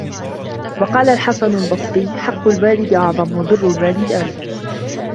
وَقَالَ الْحَسَنُ الْبَصْرِيُّ حَقُّ الْوَالِدِ أَعْظَمُ ، وَبِرُّ الْوَالِدِ أَلْزَمُ